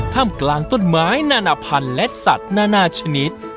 ถ้ำกลางต้นไม้นานาพันธุ์และสัตว์นานาชนิด